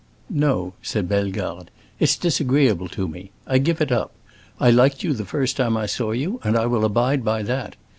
"No," said Bellegarde, "it's disagreeable to me; I give it up. I liked you the first time I saw you, and I will abide by that.